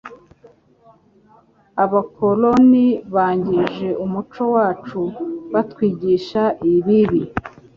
Abakoloni bangije umuco wacu batwigisha ibibi.